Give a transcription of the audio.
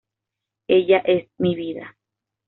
Ella es mi vida".